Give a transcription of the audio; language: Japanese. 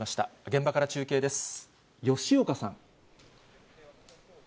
現場から中継です、吉岡さん。